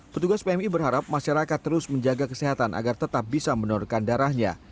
petugas pmi berharap masyarakat terus menjaga kesehatan agar tetap bisa menorkan darahnya